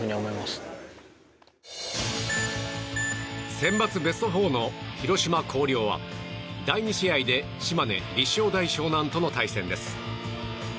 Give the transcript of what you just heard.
センバツベスト４の広島・広陵は第２試合で島根・立正大淞南との対戦です。